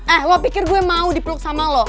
ah lo pikir gue mau dipeluk sama lo